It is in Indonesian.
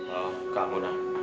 oh kamu aden